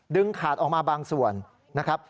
ขาดออกมาบางส่วนนะครับ